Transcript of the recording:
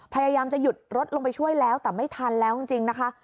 พยายามจะหยุดรถลงไปช่วยแล้วแต่ไม่ทันแล้วจริงนะคะ